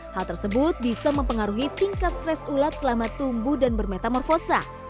hal tersebut bisa mempengaruhi tingkat stres ulat selama tumbuh dan bermetamorfosa